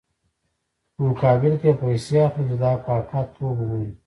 په مقابل کې یې پیسې اخلي چې دا کاکه توب بولي.